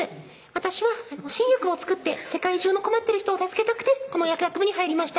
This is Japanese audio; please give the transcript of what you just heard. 「私は新薬を作って世界中の困ってる人を助けたくてこの薬学部に入りました